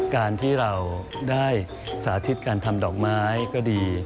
การที่เราได้สาธิตการทำดอกไม้ก็ดี